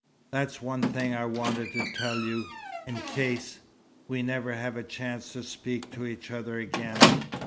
That's one thing I wanted to tell you, in case we never have a chance to speak to each other again.